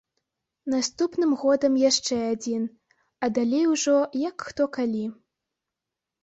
Наступным годам яшчэ адзін, а далей ужо як хто калі.